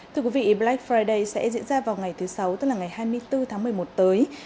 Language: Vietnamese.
thưa quý vị black friday sẽ diễn ra vào ngày thứ sáu tức là ngày hai mươi bốn tháng một mươi một tới